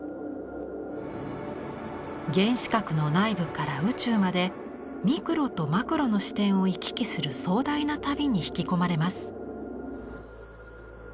原子核の内部から宇宙までミクロとマクロの視点を行き来する壮大な旅に引き込まれます。